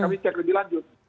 kami cek lebih lanjut